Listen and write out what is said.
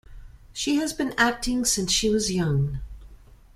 She has been acting since she was young.